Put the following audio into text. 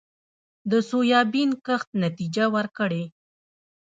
د سویابین کښت نتیجه ورکړې